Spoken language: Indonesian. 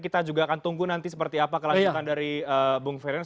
kita juga akan tunggu nanti seperti apa kelanjutan dari bung ferryan